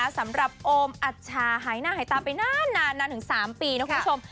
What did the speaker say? สำหรับโอมอัชชาหายหน้าหายตาไปนานถึง๓ปีนะคุณผู้ชม